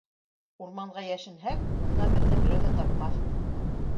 Урманға йәшенһәк, унда беҙҙе берәү ҙә тапмаҫ.